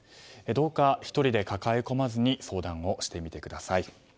どうか１人で抱え込まずに相談をしてみてください。